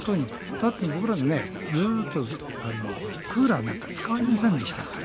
だって僕らもずっとクーラーなんか使いませんでしたから。